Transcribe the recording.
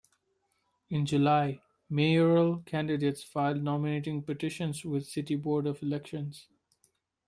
In July, mayoral candidates filed nominating petitions with the City Board of Elections.